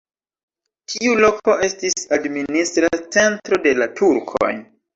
Tiu loko estis administra centro de la turkoj.